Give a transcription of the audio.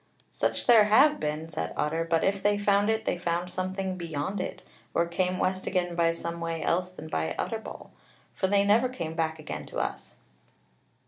"Such there have been," said Otter; "but if they found it, they found something beyond it, or came west again by some way else than by Utterbol; for they never came back again to us."